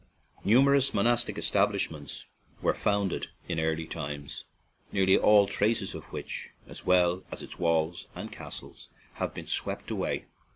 Numerous monastic establishments were founded in early times, nearly all traces of which, as well as of its walls and castles, have been swept away.